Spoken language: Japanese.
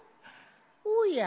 おや？